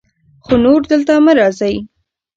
خو نور دلته مه راځئ.